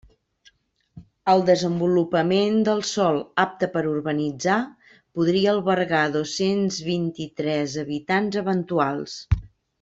El desenvolupament del sòl apte per a urbanitzar podria albergar dos-cents vint-i-tres habitants eventuals.